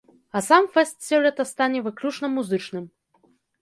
А сам фэст сёлета стане выключна музычным.